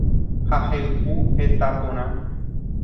Ha hey'u heta porã